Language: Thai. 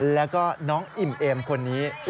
แล้วก็น้องอิ่มเอมคนนี้